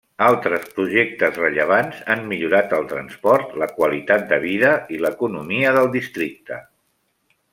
Altres projectes rellevants han millorat el transport, la qualitat de vida i l'economia del districte.